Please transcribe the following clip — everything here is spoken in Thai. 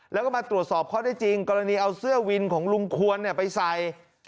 แล้วก็มาตรวจสอบข้อได้จริงกรณีเอาเสื้อวินของลุงควรไปใส่